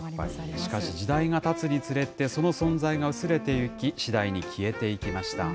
しかし時代がたつにつれて、その存在が薄れてゆき、次第に消えていきました。